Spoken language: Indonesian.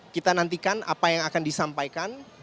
kita nantikan apa yang akan disampaikan